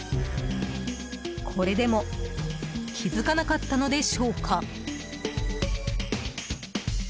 これでも気づかなかったのでしょうか。